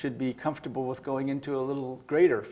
selesa dengan kekurangan kredit kredit